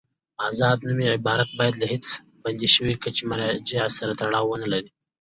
آزاد نومي عبارت باید له هېڅ بند شوي کچې مرجع سره تړاو ونلري.